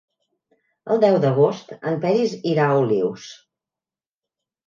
El deu d'agost en Peris irà a Olius.